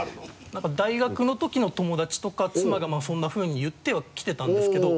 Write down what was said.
なんか大学のときの友達とか妻がそんなふうに言ってはきてたんですけど。